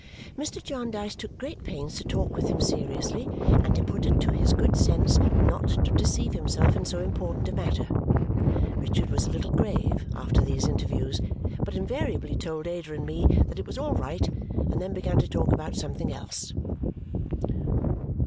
Mr. Jarndyce took great pains to talk with him seriously and to put it to his good sense not to deceive himself in so important a matter. Richard was a little grave after these interviews, but invariably told Ada and me that it was all right, and then began to talk about something else.